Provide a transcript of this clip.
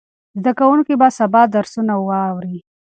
زده کوونکي به سبا درسونه واوري.